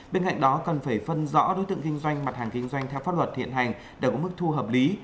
bên cạnh đó cần phải phân rõ đối tượng kinh doanh mặt hàng kinh doanh theo pháp luật hiện hành để có mức thu hợp lý